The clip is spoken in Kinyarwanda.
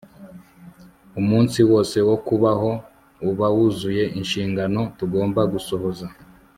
umunsi wose wo mu kubaho uba wuzuye inshingano tugomba gusohoza